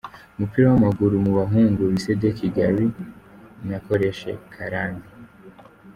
Umupira w’amaguru mu bahungu: Lycée de Kigali, College Karambi.